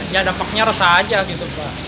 ya dampaknya resah saja gitu